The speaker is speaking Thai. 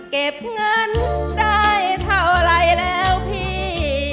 เก็บเงินได้เท่าไรแล้วพี่